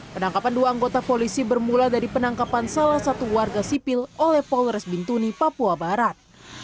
penangkapan dua anggota polisi bermula dari penangkapan salah satu warga sipil oleh polres bintuni papua barat